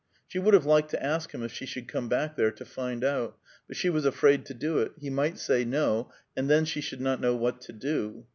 She would have liked to ask him if she should come back there to find out, but she was afraid to do it; he might say no, and then she should not know what to do.